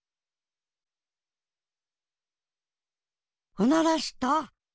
おならした？